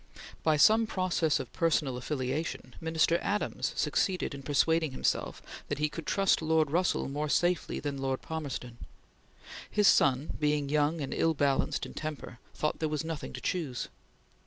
By some process of personal affiliation, Minister Adams succeeded in persuading himself that he could trust Lord Russell more safely than Lord Palmerston. His son, being young and ill balanced in temper, thought there was nothing to choose.